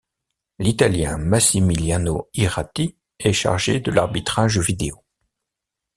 L'Italien Massimiliano Irrati est chargé de l'arbitrage vidéo.